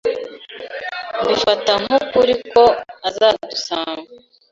Mbifata nk'ukuri ko azadusanga